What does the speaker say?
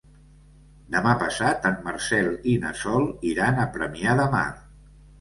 Demà passat en Marcel i na Sol iran a Premià de Mar.